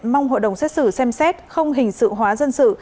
mong hội đồng xét xử xem xét không hình sự hóa dân sự